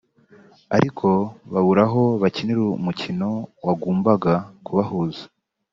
ariko Babura aho bakinira umukino wagumbaga kubahuza